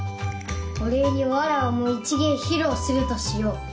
お礼にわらわも一芸披露するとしよう。